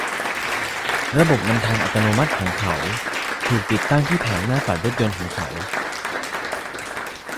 ระบบนำทางอัตโนมัติของเขา ถูกติดตั้งที่แผงหน้าปัดรถยนต์ของเขา